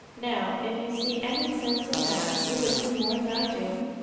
Now, if you see any sense to that you see more than I do.